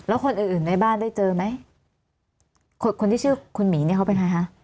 แล้วคนอื่นอื่นในบ้านได้เจอไหมคนคนที่ชื่อคุณหมีเนี่ยเขาเป็นใครคะ